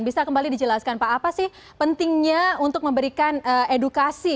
bisa kembali dijelaskan pak apa sih pentingnya untuk memberikan edukasi